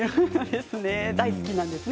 大好きなんですね